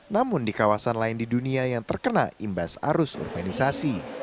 namun di kawasan lain di dunia yang terkena imbas arus urbanisasi